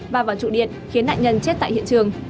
và vào trụ điện khiến nạn nhân chết tại hiện trường